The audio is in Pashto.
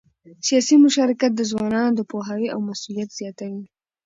سیاسي مشارکت د ځوانانو د پوهاوي او مسؤلیت زیاتوي